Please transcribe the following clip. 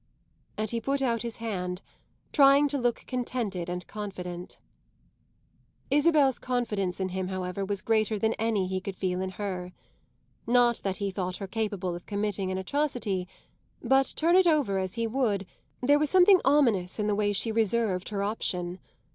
And he put out his hand, trying to look contented and confident. Isabel's confidence in him, however, was greater than any he could feel in her. Not that he thought her capable of committing an atrocity; but, turn it over as he would, there was something ominous in the way she reserved her option.